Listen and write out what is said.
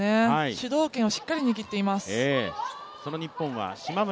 主導権をしっかり握っています。